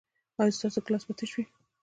ایا ستاسو ګیلاس به تش وي؟